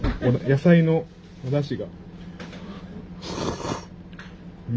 野菜のおだしが。